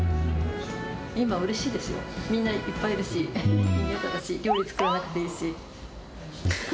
今、うれしいですよ、みんないっぱいいるし、料理作らなくていいし。